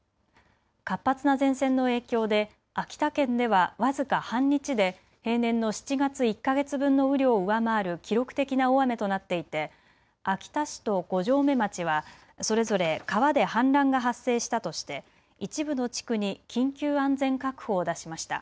活発な前線の影響で秋田県では僅か半日で平年の７月１か月分の雨量を上回る記録的な大雨となっていて秋田市と五城目町はそれぞれ川で氾濫が発生したとして一部の地区に緊急安全確保を出しました。